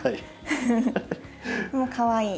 もうかわいい。